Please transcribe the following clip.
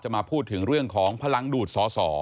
มาพูดถึงเรื่องของพลังดูดสอสอ